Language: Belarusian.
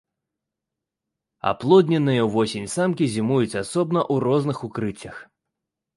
Аплодненыя ўвосень самкі зімуюць асобна ў розных укрыццях.